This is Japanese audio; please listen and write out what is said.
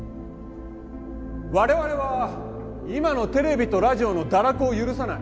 我々は今のテレビとラジオの堕落を許さない！